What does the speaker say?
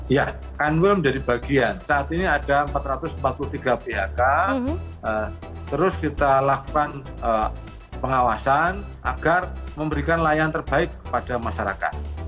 ya kanwil menjadi bagian saat ini ada empat ratus empat puluh tiga phk terus kita lakukan pengawasan agar memberikan layanan terbaik kepada masyarakat